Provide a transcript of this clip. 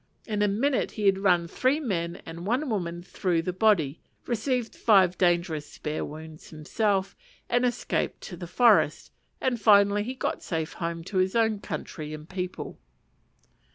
In a minute he had run three men and one woman through the body, received five dangerous spear wounds himself, and escaped to the forest; and finally he got safe home to his own country and people.